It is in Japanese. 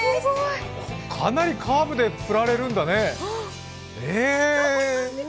かなりカーブで振られるんだね、へえー。